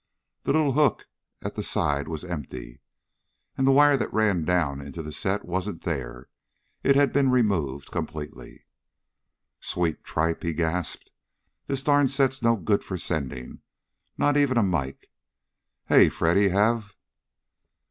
The little hook at the side was empty. And the wire that ran down into the set wasn't there. It had been removed completely. "Sweet tripe!" he gasped. "This darn set's no good for sending. Not even a mike. Hey, Freddy, have